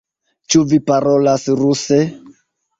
Ĉu vi parolas ruse?